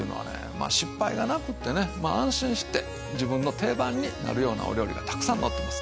まあ失敗がなくってねまあ安心して自分の定番になるようなお料理がたくさん載ってます。